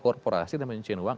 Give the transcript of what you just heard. soal korporasi dan penyusunan uang